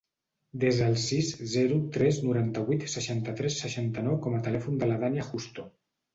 Desa el sis, zero, tres, noranta-vuit, seixanta-tres, seixanta-nou com a telèfon de la Dània Justo.